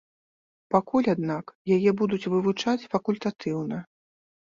Пакуль, аднак, яе будуць вывучаць факультатыўна.